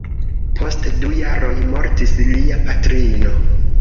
Post du jaroj mortis lia patrino.